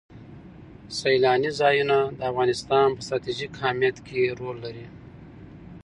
سیلانی ځایونه د افغانستان په ستراتیژیک اهمیت کې رول لري.